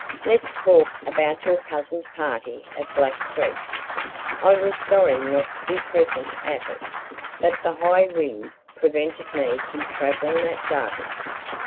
"Let's talk about your cousin's party at Black Creek. I was sorry not to be present at it. But the high wind prevented me from travelling that day."